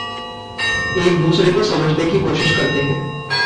एक-दूसरे को समझने की कोशिश करते हैं।